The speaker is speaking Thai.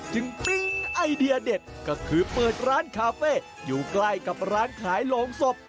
ปิ๊งไอเดียเด็ดก็คือเปิดร้านคาเฟ่อยู่ใกล้กับร้านขายโรงศพ